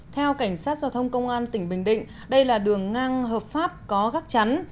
theo cảnh sát giao thông công an tỉnh bình định đây là đường ngang hợp pháp có gắt chắn